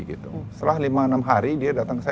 setelah lima enam hari dia datang ke saya